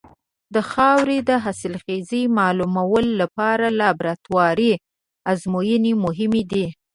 د خاورې د حاصلخېزۍ معلومولو لپاره لابراتواري ازموینې مهمې دي.